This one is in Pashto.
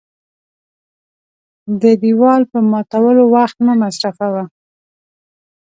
د دېوال په ماتولو وخت مه مصرفوه .